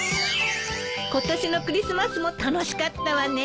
今年のクリスマスも楽しかったわね。